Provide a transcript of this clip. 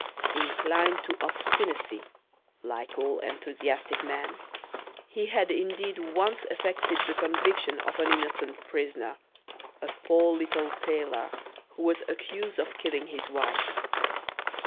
Inclined to obstinacy, like all enthusiastic men, he had indeed once effected the conviction of an innocent prisoner a poor little tailor, who was accused of killing his wife.